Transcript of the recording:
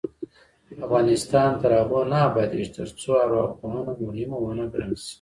افغانستان تر هغو نه ابادیږي، ترڅو ارواپوهنه مهمه ونه ګڼل شي.